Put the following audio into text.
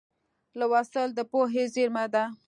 لوستل د پوهې زېرمه ده.